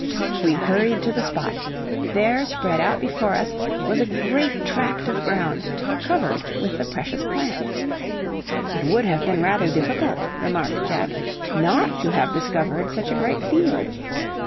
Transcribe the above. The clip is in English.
We hurried to the spot: there, spread out before us, was a great tract of ground, covered with the precious plant. "It would have been rather difficult," remarked Jack, "not to have discovered such a great field."